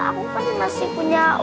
aku kan masih punya uang untuk dia